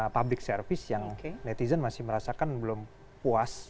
public service yang netizen masih merasakan belum puas